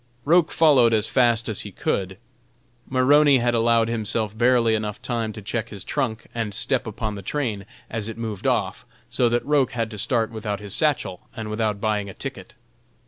Roch followed as fast as he could. Maroney had allowed himself barely enough time to check his trunk and step upon the train as it moved off, so that Roch had to start without his satchel and without buying a ticket.